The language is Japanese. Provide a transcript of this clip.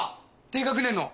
低学年の。